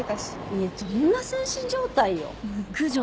いやどんな精神状態よ。